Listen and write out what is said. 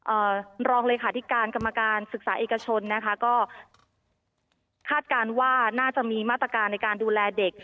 รองเลขาธิการกรรมการศึกษาเอกชนนะคะก็คาดการณ์ว่าน่าจะมีมาตรการในการดูแลเด็ก